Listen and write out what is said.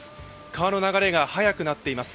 川の流れが速くなっています